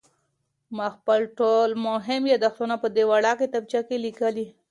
ما خپل ټول مهم یادښتونه په دې وړه کتابچه کې لیکلي دي.